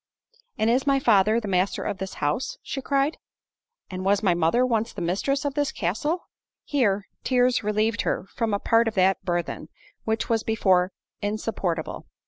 "And is my father the master of this house?" she cried—"and was my mother once the mistress of this castle?" Here tears relieved her from a part of that burthen, which was before insupportable.